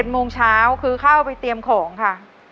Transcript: โมงเช้าคือเข้าไปเตรียมของค่ะ